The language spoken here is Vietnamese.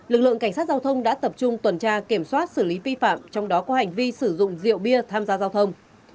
lực lượng cảnh sát giao thông đã tập trung tuần tra kiểm soát xử lý vi phạm trong đó có hành vi sử dụng rượu bia tham gia giao thông